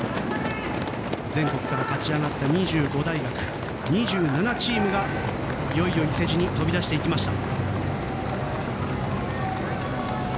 全国から勝ち上がった２５大学、２７チームがいよいよ伊勢路に飛び出していきました。